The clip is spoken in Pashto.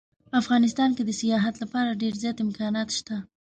افغانستان کې د سیاحت لپاره ډیر زیات امکانات شته